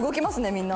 みんな。